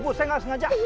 aku saya gak sengaja